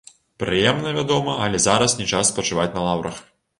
Прыемна, вядома, але зараз не час спачываць на лаўрах.